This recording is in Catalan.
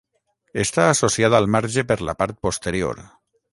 Està associada al marge per la part posterior.